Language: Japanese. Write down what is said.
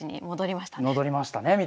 戻りましたね